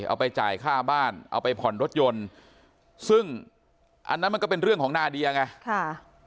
เอาไปจ่ายค่าบ้านเอาไปผ่อนรถยนต์ซึ่งอันนั้นมันก็เป็นเรื่องของนาเดียไง